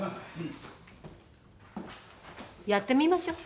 やってみましょう。